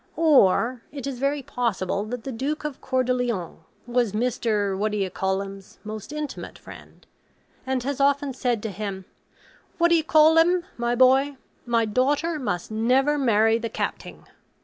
Or, it is very possible that the Duke of Coeurdelion was Mr. What d'ye call'im's most intimate friend, and has often said to him, 'What d'ye call'im, my boy, my daughter must never marry the Capting.